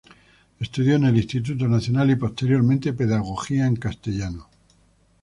Estudió en el Instituto Nacional y posteriormente pedagogía en castellano.